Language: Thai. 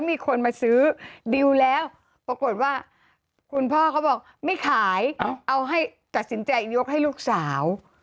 ปรากฏว่าคุณพ่อเขาบอกไม่ขายเอาให้กัดสินใจยกให้ลูกสาว